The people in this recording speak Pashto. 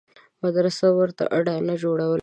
مدرسې ورته اډانه جوړولای شي.